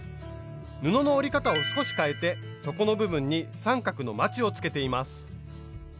布の折り方を少しかえて底の部分に三角のまちをつけています。